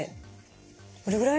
これぐらい？